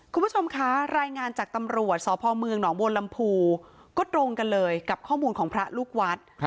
คุณผู้ชมคะรายงานจากตำรวจสพเมืองหนองบัวลำพูก็ตรงกันเลยกับข้อมูลของพระลูกวัด